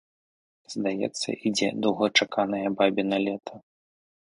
Здаецца, ідзе доўгачаканае бабіна лета.